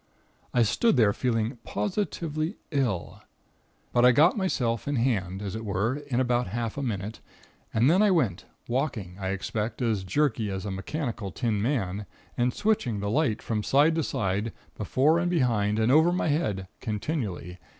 I stood there feeling positively ill. But I got myself in hand, as it were, in about half a minute, and then I went, walking, I expect, as jerky as a mechanical tin man, and switching the light from side to side, before and behind, and over my head continually.